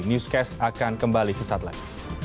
newscast akan kembali sesaat lagi